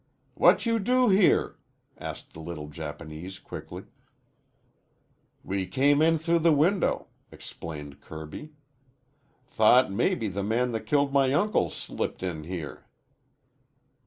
"What you do here?" asked the little Japanese quickly. "We came in through the window," explained Kirby. "Thought mebbe the man that killed my uncle slipped in here."